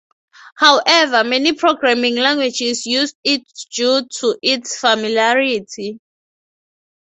However many programming languages use it due to its familiarity.